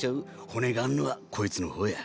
骨があんのはこいつの方や。